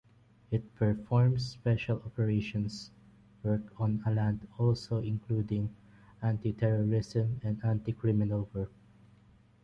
It performs special operations work on land also, including anti-terrorism and anti-criminal work.